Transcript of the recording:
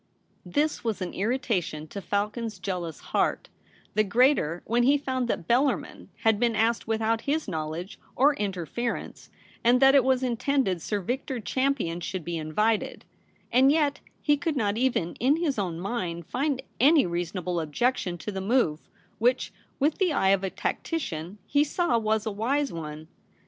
This was an irritation to Falcon's jealous heart ; the greater when he found that Bellarmin had been asked without his knowledge or interference, and that it was intended Sir Victor Champion should be invited ; and yet he could not even in his own mind find any reasonable objec tion to the move, which, with the eye of a tactician, he saw was a wise one.